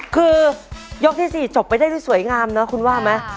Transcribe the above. คือยกที่๔จบไปได้ด้วยสวยงามนะคุณว่าไหม